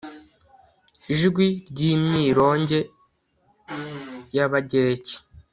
Ijwi ryimyironge yAbagereki